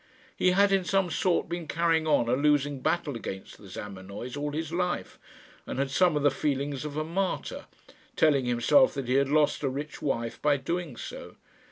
He had in some sort been carrying on a losing battle against the Zamenoys all his life, and had some of the feelings of a martyr, telling himself that he had lost a rich wife by doing so.